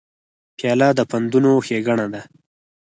پیاله د پندونو ښیګڼه ده.